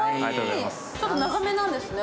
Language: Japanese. ちょっと長めなんですね。